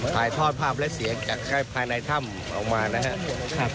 ถ่ายทอดภาพและเสียงจากภายในถ้ำออกมานะครับ